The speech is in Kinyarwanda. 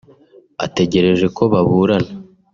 ategereje ko baburana